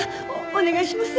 お願いします！